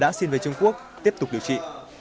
bác sĩ đã xin về trung quốc tiếp tục điều trị